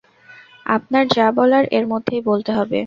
আপনার যা বলার-এর মধ্যেই বলতে হবে।